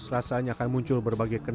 rasanya akan muncul berbagai